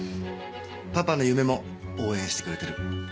パパの夢も応援してくれてる。